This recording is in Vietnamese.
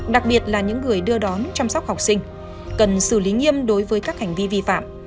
đặc biệt là những người đưa đón chăm sóc học sinh cần xử lý nghiêm đối với các hành vi vi phạm